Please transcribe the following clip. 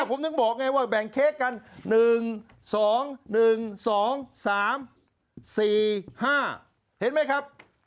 ผมถึงบอกไงว่าแบ่งเค้กกัน๑๒๑๒๓๔๕เห็นไหมครับ